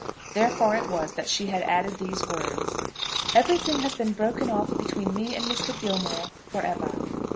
Therefore it was that she had added these words. "Everything has been broken off between me and Mr. Gilmore for ever."